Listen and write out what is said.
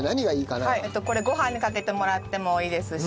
これごはんにかけてもらってもいいですし。